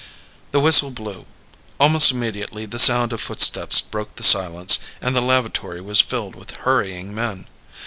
The whistle blew. Almost immediately, the sound of footsteps broke the silence and the lavatory was filled with hurrying men.